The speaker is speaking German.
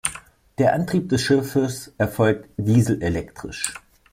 Der Antrieb des Schiffes erfolgt dieselelektrisch.